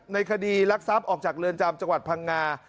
ในคดีรักทรัพย์ออกจากเรือนจำจังหวัดพังงา